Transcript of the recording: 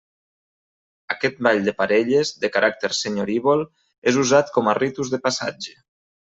Aquest ball de parelles, de caràcter senyorívol, és usat com a ritus de passatge.